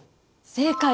正解！